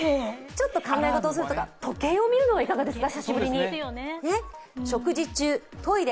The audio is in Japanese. ちょっと考え事をするとか、時計を見るのはいかがですか？